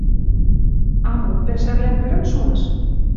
А мол пӓшӓвлӓм кӹрӹн шуаш?» —